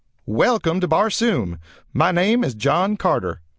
"Welcome to Barsoom! My name is John Carter."